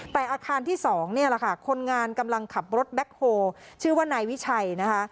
แต่อาคารที่สองเนี่ยแล้วคะคนงานกำลังขับรถแบคโฮล์ชื่อว่าในวิชัยนะคะ